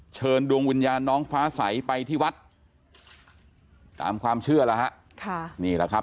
เชิญดวงวิญญาณน้องฟ้าใสไปที่วัดตามความเชื่อแล้วฮะค่ะนี่แหละครับ